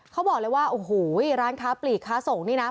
เขาบอกเลยว่าโอ้โหร้านค้าปลีกค้าส่งนี่นะ